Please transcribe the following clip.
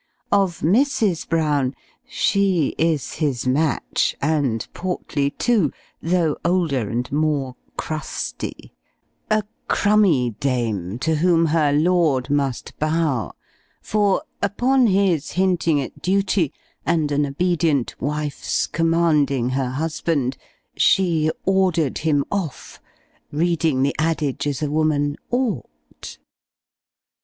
Of Mrs. Brown, she is his match, and portly too; though older and more crusty a crummy dame, to whom her lord must bow; for, upon his hinting at duty, and an obedient wife's commanding her husband, she ordered him off, reading the adage as a woman ought.